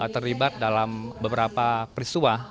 terlibat dalam beberapa peristiwa